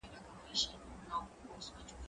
زه به سبا مځکي ته وګورم!.